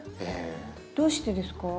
どうしてですか？